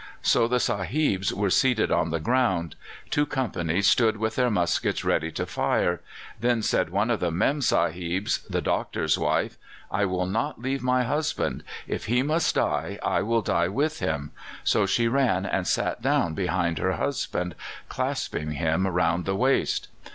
"So the sahibs were seated on the ground. Two companies stood with their muskets, ready to fire. Then said one of the mem sahibs, the doctor's wife: 'I will not leave my husband. If he must die, I will die with him.' So she ran and sat down behind her husband, clasping him round the waist.